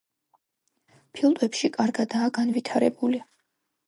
ფილტვები კარგადაა განვითარებული.